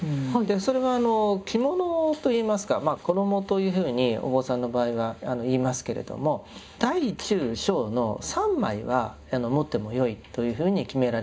それは着物といいますか衣というふうにお坊さんの場合は言いますけれども大中小の３枚は持ってもよいというふうに決められていたんです。